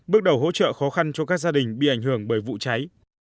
bước đầu hỗ trợ khó khăn cho các gia đình bị ảnh hưởng bởi vụ cháy